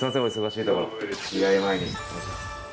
試合前に。